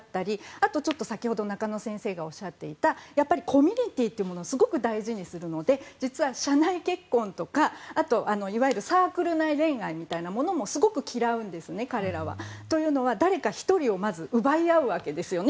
あと、先ほど中野先生がおっしゃっていたコミュニティーというのをすごく大事にするので実は社内結婚とか、いわゆるサークル内恋愛みたいなものもすごく嫌うんですね、彼らは。というのも誰か１人を奪い合うわけですよね